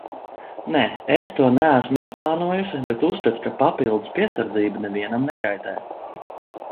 Nē, es to neesmu ieplānojusi, bet uzskatu, ka papildus piesardzība nevienam nekaitē.